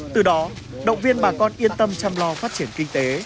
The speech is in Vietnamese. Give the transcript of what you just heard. từ đó động viên bà con yên tâm chăm lo phát triển kinh tế